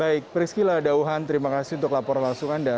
baik priscila dauhan terima kasih untuk laporan langsung anda